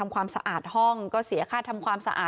เจ้าของห้องเช่าโพสต์คลิปนี้